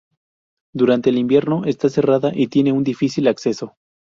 Durante el invierno está cerrada y tiene un difícil acceso.